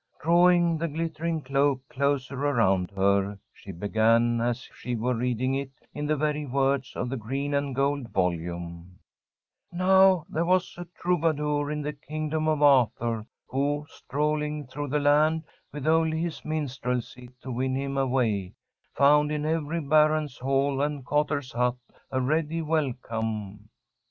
Drawing the glittering cloak closer around her, she began as if she were reading it, in the very words of the green and gold volume: "'Now there was a troubadour in the kingdom of Arthur, who, strolling through the land with only his minstrelsy to win him a way, found in every baron's hall and cotter's hut a ready welcome.'"